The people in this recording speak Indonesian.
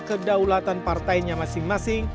kedaulatan partainya masing masing